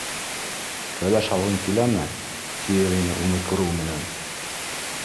Кәләш алғың киләме? - тиер ине уны күреү менән.